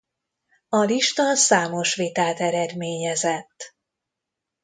A lista számos vitát eredményezett.